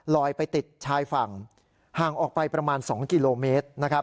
ไปติดชายฝั่งห่างออกไปประมาณ๒กิโลเมตร